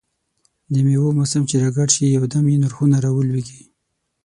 دمېوو موسم چې را ګډ شي، یو دم یې نرخونه را ولوېږي.